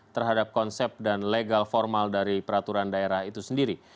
terhadap konsep dan legal formal dari peraturan daerah itu sendiri